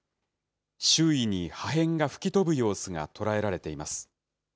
周囲に破片が吹き飛ぶ様子が捉えられています。